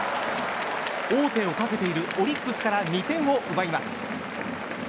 王手をかけているオリックスから２点を奪います。